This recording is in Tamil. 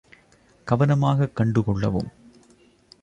கவனமாகக் கண்டு கொள்ளவும்.